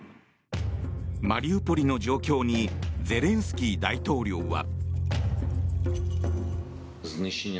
マリウポリの状況にゼレンスキー大統領は。